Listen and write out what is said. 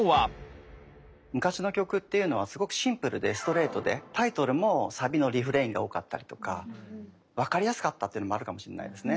昔の曲っていうのはすごくシンプルでストレートでタイトルもサビのリフレインが多かったりとかわかりやすかったっていうのもあるかもしんないですね。